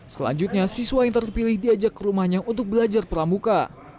selanjutnya siswa yang terpilih diajak ke rumahnya untuk belajar pramuka